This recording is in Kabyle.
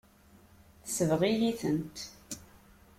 Tesbeɣ-iyi-tent.